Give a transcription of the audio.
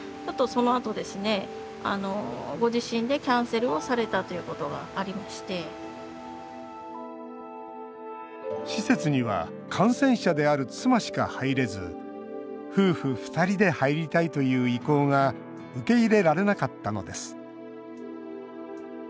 ホテル側は、療養施設に移動するように勧めましたが施設には感染者である妻しか入れず夫婦２人で入りたいという意向が受け入れられなかったのです。